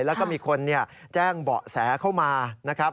แล้วก็มีคนแจ้งเบาะแสเข้ามานะครับ